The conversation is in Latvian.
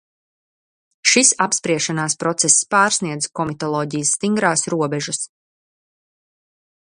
Šis apspriešanās process pārsniedz komitoloģijas stingrās robežas.